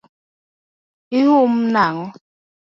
Ihum nang’o?